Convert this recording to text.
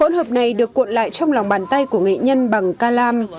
hỗn hợp này được cuộn lại trong lòng bàn tay của nghệ nhân bằng calam